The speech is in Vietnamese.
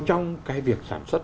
trong cái việc sản xuất